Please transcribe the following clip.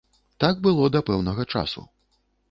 Так было да пэўнага часу.